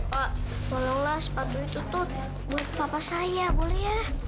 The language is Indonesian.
pak tolonglah sepatu itu tuh buat papa saya boleh ya